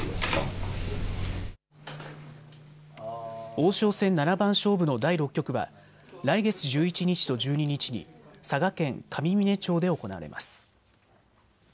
王将戦七番勝負の第６局は来月１１日と１２日に佐賀県上峰町で行われます。